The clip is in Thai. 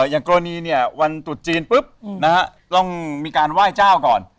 อย่างกรณีเนี่ยวันตรุษจีนปุ๊บนะฮะต้องมีการไหว้เจ้าก่อน